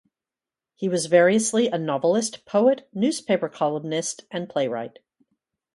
He was variously a novelist, poet, newspaper columnist, and playwright.